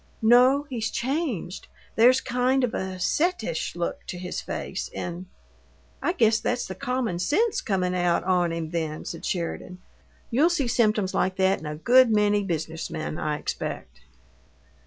"No. He's changed. There's kind of a settish look to his face, and " "I guess that's the common sense comin' out on him, then," said Sheridan. "You'll see symptoms like that in a good many business men, I expect."